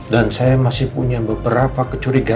dan saya masih punya beberapa kecurigaan